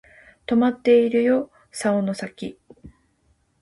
とまっているよ竿の先